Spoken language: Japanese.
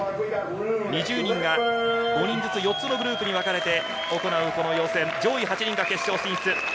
２０人が４つのグループに分かれて行う予選、上位８人が決勝進出。